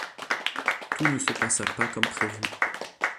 Tout ne se passa pas comme prévu.